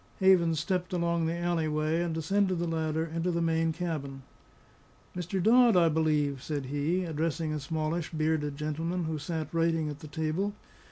Havens stepped along the alley way, and descended the ladder into the main cabin. "Mr. Dodd, I believe," said he, addressing a smallish, bearded gentleman, who sat writing at the table.